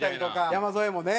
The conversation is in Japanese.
山添もね。